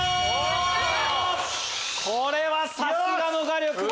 これはさすがの画力。